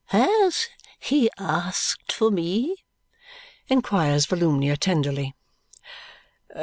"Has he asked for me?" inquires Volumnia tenderly.